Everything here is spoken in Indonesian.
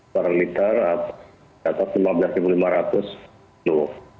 pariwitar di atas lima belas lima ratus dulu